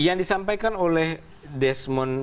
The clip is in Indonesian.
yang disampaikan oleh desmon